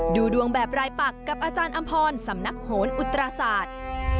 ดูดวงแบบรายปักกับอาจารย์อำพรสำนักโหนอุตราศาสตร์